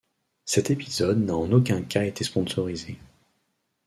Cet épisode n’a en aucun cas été sponsorisé.